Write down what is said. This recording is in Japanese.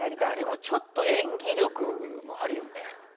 でもちょっと演技力あるよね。